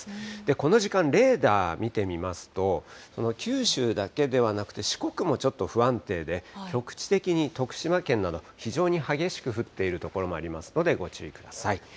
この時間、レーダー見てみますと、その九州だけではなくて、四国もちょっと不安定で、局地的に徳島県など非常に激しく降っている所もありますので、ご注意ください。